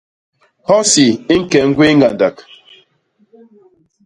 Hosi i ñke ñgwéé ñgandak.